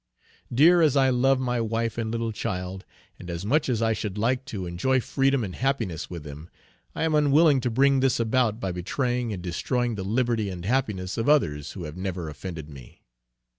Dear as I love my wife and little child, and as much as I should like to enjoy freedom and happiness with them, I am unwilling to bring this about by betraying and destroying the liberty and happiness of others who have never offended me!"